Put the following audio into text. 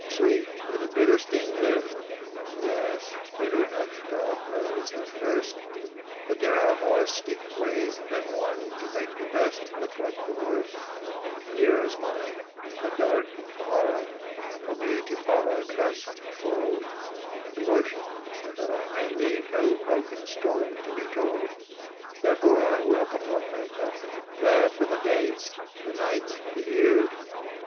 '' Sweet with a bitter sting left ?— Yes, Bitter enough, God knows, at first ; But there are more steep ways than one To make the best look like the worst ;" And here is mine — the dark and hard. For me to follow, trust, and hold : SAINTE NITOUCHE 1 5 3 And worship, so that I may leave No broken story to be told. '' Therefore I welcome what may come, Glad for the days, the nights, the years."